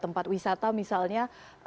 tempat wisata misalnya